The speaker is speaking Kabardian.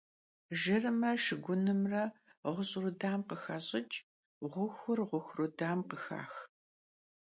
Jjırımre şşıgunımre ğuş' rudam khıxaş'ıç', ğuxur ğuxu rudam khıxax.